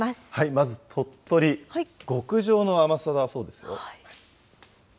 まず鳥取、極上の甘さだそうですよ。